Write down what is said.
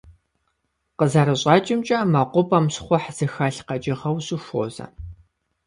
КъызэрыщӀэкӀымкӀэ, мэкъупӀэм щхъухь зыхэлъ къэкӀыгъэ ущыхуозэ.